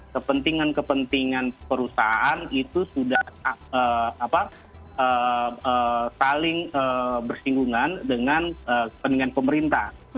kepentingan kepentingan perusahaan itu sudah saling bersinggungan dengan pemerintah